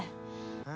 うん？